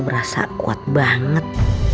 berasa kuat banget